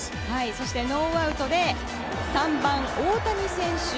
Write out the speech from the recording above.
そしてノーアウトで３番、大谷選手。